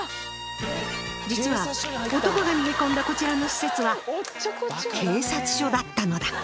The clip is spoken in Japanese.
実は男が逃げ込んだこちらの施設は警察署だったのだ。